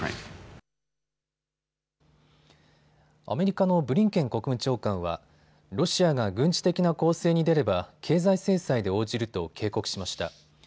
アメリカのブリンケン国務長官はロシアが軍事的な攻勢に出れば経済制裁で応じると警告しました。